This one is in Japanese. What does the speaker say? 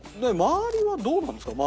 周りはどうなんですか？